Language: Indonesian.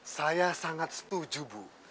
saya sangat setuju bu